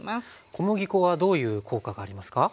小麦粉はどういう効果がありますか？